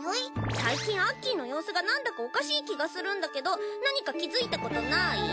最近アッキーの様子がなんだかおかしい気がするんだけど何か気付いたことない？